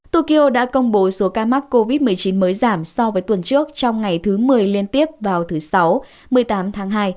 tokyo đã công bố số ca mắc covid một mươi chín mới giảm so với tuần trước trong ngày thứ một mươi liên tiếp vào thứ sáu một mươi tám tháng hai